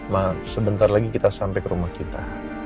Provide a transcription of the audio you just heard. maaf sebentar lagi kita sampai ke rumah kita